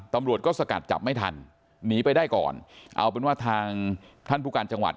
ตำรวจก็สกัดจับไม่ทันหนีไปได้ก่อนเอาเป็นว่าทางท่านผู้การจังหวัด